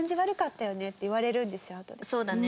そうだね。